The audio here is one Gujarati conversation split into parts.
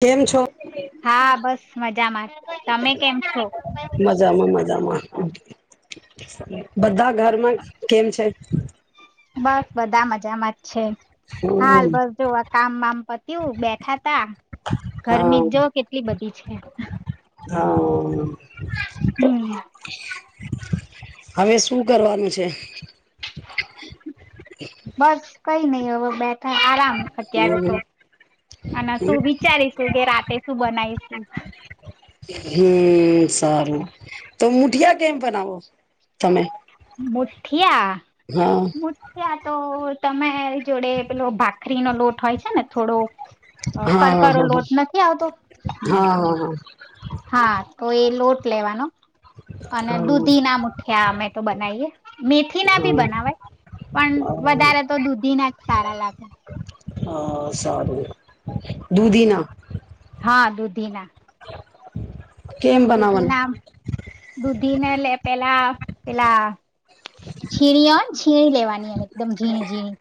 કેમ છો? હા, બસ મજામાં. તમે કેમ છો? મજામાં [inaudible] બધા ઘરમાં કેમ છે? બસ બધા મજામાં છે. હાલ હમ બધું આ કામ બામ પત્યું બેઠા તા હા ગરમી જ જો કેટલી બધી છે. હા. હમ્મ. હવે શું કરવાનું છે? બસ કઈ નય. અવ બેઠ ઠા આરામ અત્યારે હમ તો. અને શું વિચારીશું કે રાતે શું બનાવીશું? હમ. સારું. તો મુઠિયા કેમ બનાવો તમે? મુઠીયા. હા મુઠીયા તો તમાયે જોડે પેલો ભાખરીનો લોટ હોય છે ને થોડો અ કારો હા હા હા હા કારો લોટ નથી આવતો, હમ હા હા તો એ લોટ લેવાનો. હા અને દૂધી હા ના મુઠિયા અમે બનાયે, મેથીના બી બનાવાય પણ હા વધારે તો દૂધીના ના જ સારા લાગે. હ સારું દુધિના. હા દુધી ના. કેમ બનાવાનું? દૂધી ને લે પેલા પેલા છીણી હોને છીણી લેવાનીને એકદમ ઝીણી ઝીણી.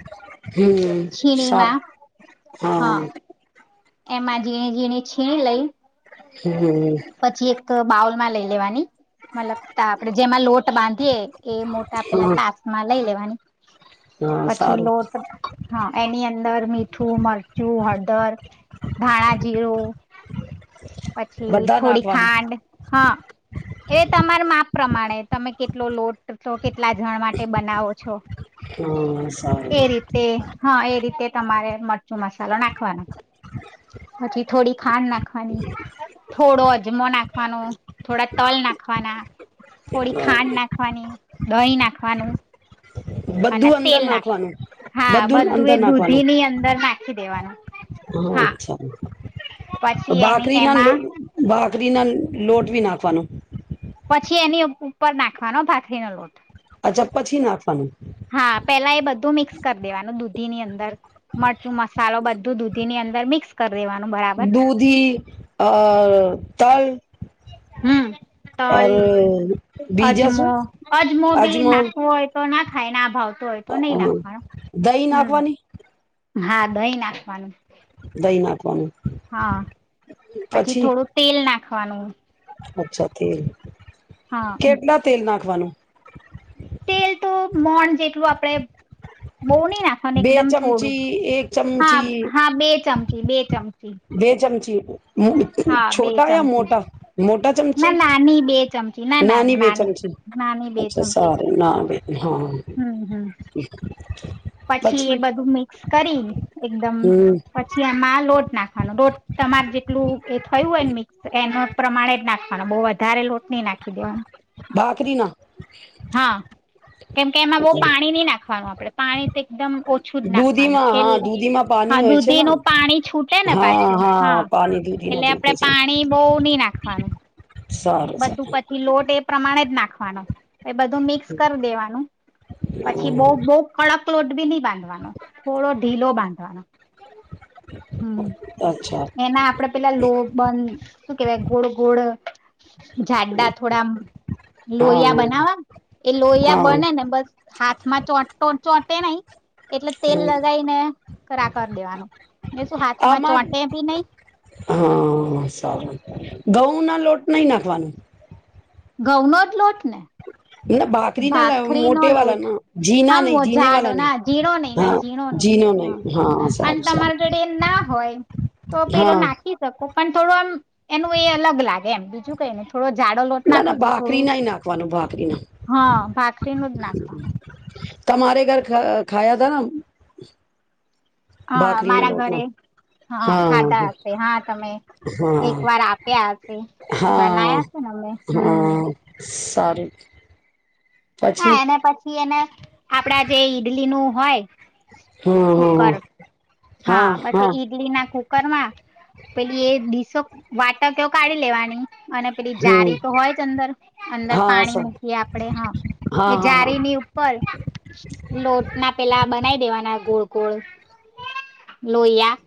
હમ સારું છીણીમાં હા. એમાં ઝીણી ઝીણી છીણી લઈ. હમ પછી એક બાઉલ માં લે લેવાની, મતલબ તા આપડે જેમાં લોટ બાંધીએ એ મોટા પેલા હા તાસ માં લઈ લેવાની, હા પછી સારું લોટ હા, એની અંદર મીઠું, મરચું, હળદર, ધાણા, જીરો. પછી બધા થોડી નાખવાનું ખાંડ હા. એ તમાર માપ પ્રમાણે તમે કેટલો લોટ લો કે કેટલા જણ માટે બનાવો છો, હા એ સારું રીતે હા એ રીતે તમારે મરચું મસાલો નાખવાનો. હ [inaudible] હછી થોડી ખાંડ નાખવાની. થોડો અજમો નાખવાનો, થોડા તલ નાખવાના. થોડી ખાંડ નાખવાની. દહી નાખવાનું. અને બધું અંદર તેલ નાખવાનું નાખવા હા બધું એ અંદર નાખવાનું દૂધી ની અંદર નાખી દેવાનું. હા અચ્છા, પછી એની બાકરીના એમાં બાકરીના લોટવી નાખવાનું? પછી એની ઉપર નાખવાનો ભાખરીનો લોટ. આછા પછી નાખવાનું? હા પેલા એ બધું મિક્સ કરી દેવાનું દૂધી ની અંદર મરચું મસાલો બધું દૂધી ની અંદર મિક્સ કર દૂધી અ તલ હમ તલ ઓર બીજા અજમો શું અજમો બી નાખવો હોય તો નાખ હાય ના ભાવ હ દહી નાખવાની હા દહી નાખવાનું ઈ ના કો હા પછી થોડું તેલ નાખ ખવાનું અચ્છા તેલ હા કેટલા તેલ નાખવાનું તેલ તો મણ જેટલું આપણેે બોહી નાખવાનું બે એકદમ ચમચી થોડુંક એક હા ચમચી હા બે ચમચી બે ચમચી બે ચમચી હા બે છોટા યા ચમચી મોટા મોટા ના ચમચે નાની બે ચમચી ના ના નાની બેે ચમચે નાની બે અચ્છા ચમચી સાર ના બે હા હમ હમ પછી એ બધું મિક્સ કરી એકદમ હમ પછી આમાં લોટ નાખ લોટ તમાર જેટલું એ થયું હોય ને મિક્સ એ પ્રમાણે જ નાખવાનો બહુ વધારે લોટ નહી નાખી દેવાનો બાકરી ના હા કેમ કે એમાં બહ પાણી નહી નાખવાનું આપડે પાણી તો એકદમ ઓછું જ નાખવાનું દૂધીમાં છેલ્ હા દૂધીમાં હ પાણી હોય છે દૂધી ને ન પાણી છૂટે ને હા પાછું હા પાણી દૂધી ના એટલે છૂટે આપણેે છે પાણી બહ નહી નાખવાનું સારું બધું સારું પછી લોટ એ પ્રમાણે જ નાખે ખના એ બધું મિક્સ કરી દેવાનું પછી બહ બહુ કડક લોલોડ બ ન બાંધવાનો થોડો ઢીલો બાંધવાનો હમ હ અચ્છા એના આપડે પેલા લોબંધ શું કેવાય ગોળ ગોડ જાડા થોડા હા લોહીયા બનાવા એ લોહીયા હા બને ને બસ હાથમાં ચો ચોટે નહી એટલે તેલ લગાય ને કરા કર દેવાનું એ શું હાથમાં આમાં ચોંટે બી નઈ હા સારું ઘઉંના લોટ નહીં નાખવાનું ઘઉનોો જ લોટ ને [unintelligible] ના ભાખરી નો મોટે વાલા લોટ ના જીના નહી હા જીને ઝાડો વાલા નહી ના ઝીણો નહી ના હા ઝીણો નહી જીનો હ હા અને સારું સારું તમારા જોડે એમ ના હોય તો પેલો હા નાખી શકો પણ થોડું આ એનું એ અલગ લાગે એમ બીજું કઈને થોડો જાડો લોટ ના નાખો ના તો ભાખરી થોડું ના નાખવાનું ભાખરી ના હા ભાખરીનું જ નાખવાનું તમારે ઘરા ખાયા તા હા અ ભાખરીને મારા લોટનો ઘરે હા ખાધા હશે હા તમે હા એક વાર આપ્યા હશે હા બના્યા છે ને અમે હમ તારેખ હા એને પછી એને આપડા જે ઈડલીનુંું હય હમ હમ હ હા બ ડલી ના કુકર માં પેલી એ ડીસો વાટક કાઢી લેવાની અને પેલી હમ જારી તો હોય જ અંદર અંદર હા પાણી સર મૂકીએ આપડે હા હા એ હા હા જારીની ઉપર લોટ ના પેલા બનાઈ દેવાના ગોળ ગોળ લોહિયા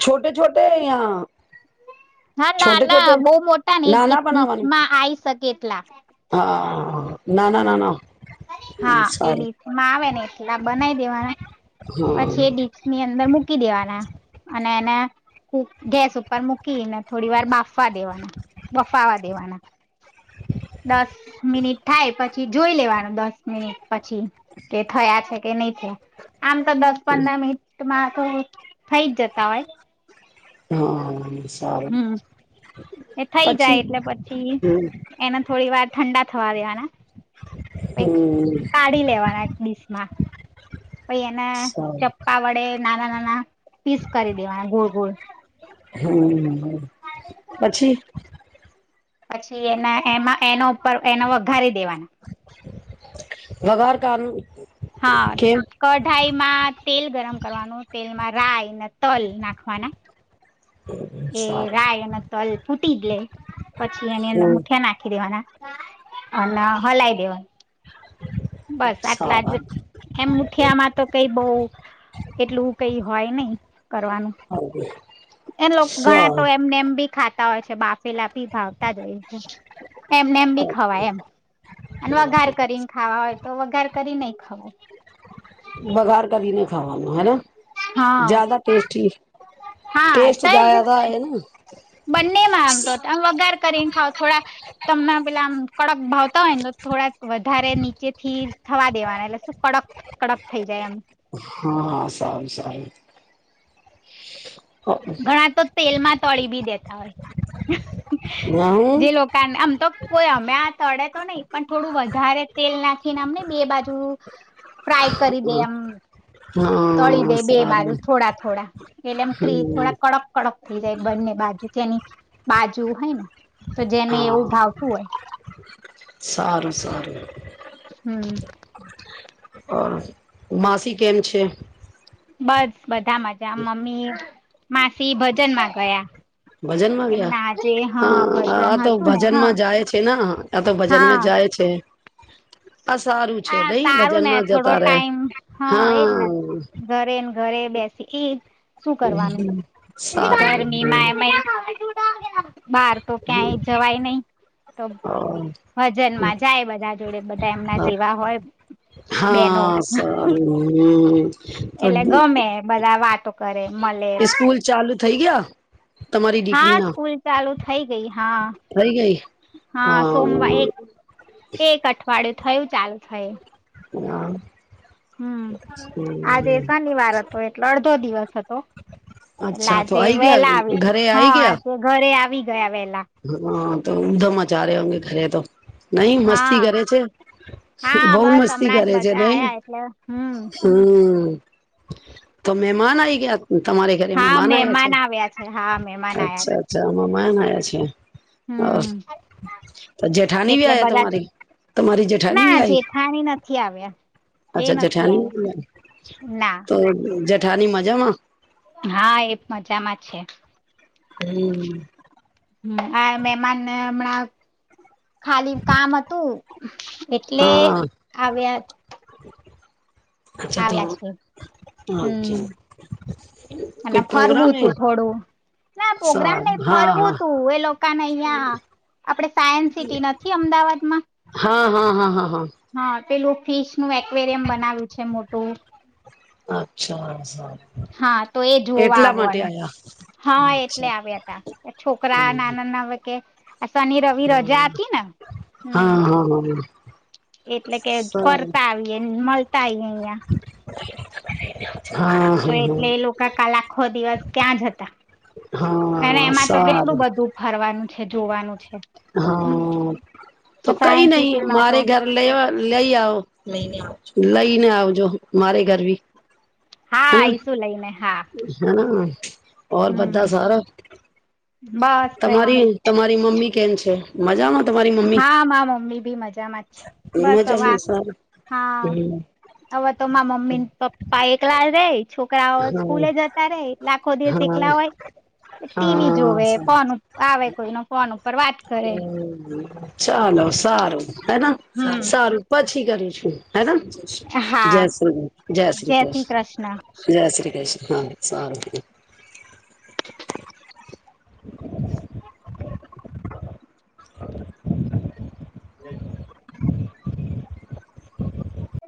છોટે છોટે યા નાા ના છોટે ના છોટે બહ મોટા ને દ નાના બનાવાનું માં આવીઈ શકે એટલા હ હમ હા એ સારું ડીચમાં આવે ને એટલા બનાવી દેવાના પછી એ હા ડીચ ની અંદર મૂકી દેવાના અને એને ક ગેસ ઉપર મૂકીને થોડી વાર બાફવા દેવાના બફાવા દેવાના દસ મિનિટ થાય પછી જોઈ લેવાનું દસ મિનિટ પછી કે થયા છે કે નહી થયા આમ તો દસ પંદર મનટ મામાં તો થઈ જ જતા હોય હા સાર હમ એ થઈ જાય એટલે પછી હમ એને થોડી વાર ઠંડા થવા દેવા હ પ હમ કાઢી લેવાના એક ડડીસમાં પ એને સારું ચપ્પા વડે નાના નાના પીસ કરી દેવાના ગોળ ગોળ હમ પછી પછી એના એમાં એનો ઉપર એને વઘારી દેવાના બગાર કાનૂ હા કઢાઈમાં તેલ ગરમ કરવાનું તેલમાં રાય ને તલ નાખવાના એ સારું રાય અને તલ ફૂટી જ લે પછી એની અંદર હમ મુઠિયા નાખી દેવાના અ ના હલાઈ દેવા બસ આટલા જ સારું એમ મુઠિયામાં તો કઈ બઉ એટલું કઈ હોય નહ કરવાનું એ લોકો ગણા તો સારું એમને એમ ભી ખા હોય છે બાપ પેલા પી ભાવતા જ હોય છે એમને એમ બી ખવાય એમ અને વઘાર કરીને ખાવા હોય તો વઘાર કરી નહી ખાવું બઘાર કરીને ખાવાનું હેના હા હા ટેસ્ટ તો જ્યાદા હેને બંનેમાં આમ તો વગાર કરીને ખાવ થોડા તમે પેલા આમ કડક ભાવતા હોય ને તો થોડા વધારે નીચે થી થવા દેવાના એટલે શું કડક કડક થઈ જાય એમ હા હા સારું સારું ઘણા તો તેલમાં તળી બી દેતા હોય હું જે લોકોને આમ તો કોઈ અમે આ તળે તો નઈ પણ થોડું વધારે તેલ નાખીને આમ નઈ બે બાજુ ફ્રાય કરી દે એમ તળી દે હા બે બાજુ સારું થોડા થોડા એટલે એમ હમ થોડા કડક કડપ થઈ જાય બંને બાજુ ત્યાંની બાજુ હોય ને તો જેને એવું હા ભાવતું હોય સારું સારું હમ માસી કે એમ છે બસ બધા મજા મમ્મી માસી ભજન માં ગયા ભજનમાં ગયા એમના આજે હ હા ભજન આ તો હતું ને હા ભજનમાં જાય છે આ તો હા ભજનમાં જાય છે. આ સારું છે હા નઈ સારું ને ભજનમાં થોડો જતા રે ટાઈમ એજ હા. ને ઘરે ને ઘરે બેસી એજ શું કરવાનું સારું ગરમીમાં એમયુગ બાર તો ક્યાંય જવાય નહીિ. તમ વજનમાં જાય બધા જોડે બધા એમના જેવા હોય બેનો. હા સારું હમ. તો એટલે ગમે બધા વાતો કરે મળે. સ્કૂલ ચાલુ થઈ ગયા તમારી હા દીકરી ના સ્કૂલ ચાલુ થઈ ગઈ હા. થઈ ગઈ હા. ડે થયું ચાલુ થય હ. હમ આજે શનિવાર હતો એટલો અડધો દિવસ હતો એટલે અચ્છા તો આજે આઈ ગયા વહેલા આવી ગ હા આજે ઘરે આવી ગયા બેહ હમ. તો ઉધામ ચારે અંગે ઘરે તો નઈ હા મસ્તી કરે છે હા બહુ બસ મસ્તી હમણાં જ કરે છે બધા નઈ આયા એટલે હમ હમ. તો મહેમાન આઈ ગયા. હા મહેમાન આવ્યા છે હા મેહમાન આવ્યા છે. માન છે. હમ તો જેઠની ભી એટલે આયા બધા તમારી તમારી જેઠની ના ભી આઈ જેઠાણી નથી આવ્યા એ અચ્છા નથી જેઠની આવ્યો ના તો જે. મઠાની મજામાં હા એ મજામાં છે હમ. હમ આ મેહમાન હમણાં ખાલી કામ હતું. એટલે હા આવ્યા અચ્છા તો આવ્યા છે હમ ઓકે અને કોઈ ફરવું પ્રોગ્રામ હે તું થોડું ના પ્રોગ્રામ સારું નઈ ફરવું હા તું એ કા અહીંયા આપડે સાયન્સ સિટી નથી અમદાવાદમાં હા હા હા હા હા હા પેલું ફિશ નું એકવેરિયમ બનાવ્યું છે મોટું અચ્છા હા હા તો એ જોવા આવવાનું આયા હા એટલે અચ્છા આવ્યા હતા છોકરા હમ નાના ના હ કે આ શનિ રવિ રજા હમ હતી ને હમ હા હા હા એટલે કે સારું ફરતા આવીએ ન મલ ટાઈમ યા [unintelligible] તો હા એટલે એ લોકો કાલ આખો દિવસ ક્યાં જ હતા, અને હા એમાં તો કેટલું સારું બધું ફરવાનું છે જોવાનું છે. હા તો કઈ સાયન્સ નહી સિટીમાં તો મારે ઘર લ લઈ આવોઈ લઈને આવો. જો મારે ઘર ભી. હા ઈસું લઈને હા. હેના ઓર બધા હમ સારા બસ કઈ તમારી નઈ તમારી મમ્મી?? કેમ છે મજામાં? તમારી મમ્મી હા મા મમ્મી બી મજામાં છે, બસ હવે મજામાં સારું હા હમ હવે તો મમ્મી પપ્પા એકલા રે છોકરી છોકરાઓ હા સ્કૂલે જતા રે લાખો દિવસ હા એકલા હોય, ટીવી હા જોવે સારું ફોન આવે કોઈ ન ફોન ઉપર વાત કરે. ચાલો સારું. હેના હમ સારું પછી કરું છું. હ ત હા જય શ્રી જય શ્રી કૃષ્ણ. જય શ્રી કૃષ્ણ હા સારું. [unintelligible] [unintelligible]